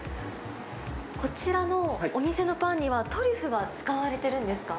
こちらのお店のパンにはトリュフが使われているんですか？